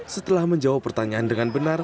setelah menjawab pertanyaan dengan benar